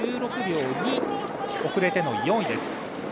１６秒２遅れての４位です。